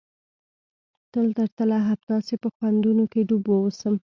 تل تر تله همداسې په خوندونو کښې ډوب واوسم.